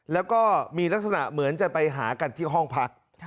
แล้วก็มีลักษณะเหมือนจะไปหากันที่ห้องพัก